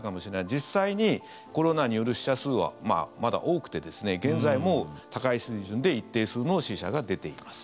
実際にコロナによる死者数はまだ多くて現在も高い水準で一定数の死者が出ています。